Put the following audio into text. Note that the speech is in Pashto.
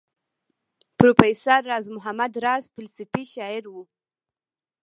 پروفیسر راز محمد راز فلسفي شاعر وو.